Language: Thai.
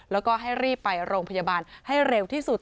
แล้วก็ให้รีบไปโรงพยาบาลให้เร็วที่สุด